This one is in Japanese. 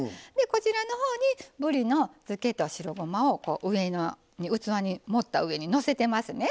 こちらのほうにぶりのづけと白ごまを器に盛った上にのせてますね